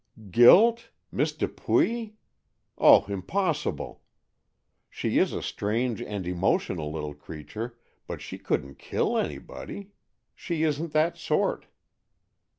"Guilt! Miss Dupuy? Oh, impossible! She is a strange and emotional little creature, but she couldn't kill anybody. She isn't that sort."